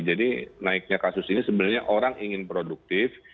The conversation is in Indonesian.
jadi naiknya kasus ini sebenarnya orang ingin produktif